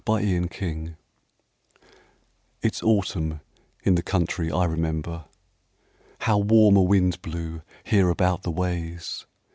Y Z Mnemosyne IT'S autumn in the country I remember. How warm a wind blew here about the ways!